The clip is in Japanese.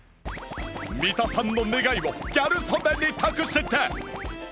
三田さんの願いをギャル曽根に託して